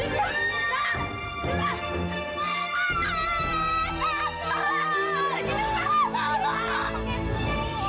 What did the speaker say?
kau berapa haber takut aku percaya bunuh